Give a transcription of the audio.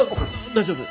大丈夫？